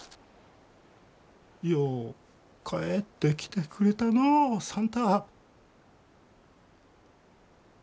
よう帰ってきてくれたのう算太。